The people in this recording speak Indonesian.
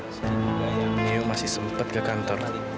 niu masih sempet ke kantor